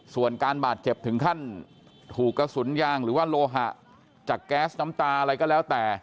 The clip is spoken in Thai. ส่วนการบาดเจ็บถึงขั้นถูกกระสุนยางหรือว่าโลหะจากแก๊สน้ำตาอะไรก็แล้วแต่